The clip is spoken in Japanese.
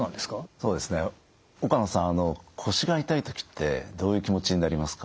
そうですね岡野さん腰が痛い時ってどういう気持ちになりますか？